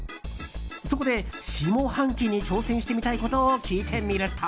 そこで、下半期に挑戦してみたいことを聞いてみると。